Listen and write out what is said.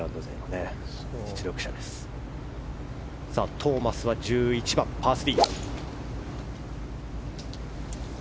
トーマスは１１番、パー３。